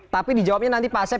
tapi dijawabnya nanti pak asep